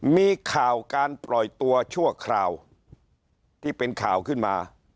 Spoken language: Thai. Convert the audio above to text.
มีข่าวการปล่อยตัวชั่วคราวที่เป็นข่าวขึ้นมา